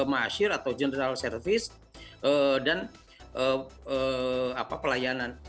masyir atau general service dan pelayanan